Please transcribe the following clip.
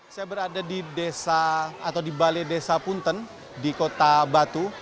saya berada di desa atau di balai desa punten di kota batu